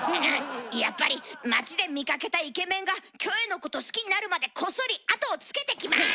やっぱり街で見かけたイケメンがキョエのこと好きになるまでこっそり後をつけてきます！